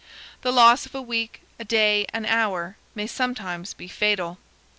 The loss of a week, a day, an hour, may sometimes be fatal.